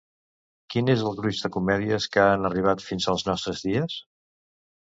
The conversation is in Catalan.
Quin és el gruix de comèdies que han arribat fins als nostres dies?